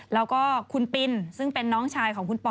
แล้วก็คุณปินซึ่งเป็นน้องชายของคุณปอ